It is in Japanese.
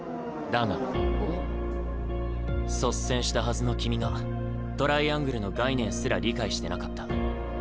だが率先したはずの君がトライアングルの概念すら理解してなかった。